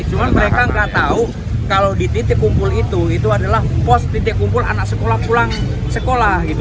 cuma mereka nggak tahu kalau di titik kumpul itu itu adalah pos titik kumpul anak sekolah pulang sekolah gitu